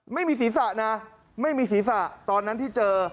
ไม่มีศีรษะนะไม่มีศีรษะตอนนั้นที่เจอ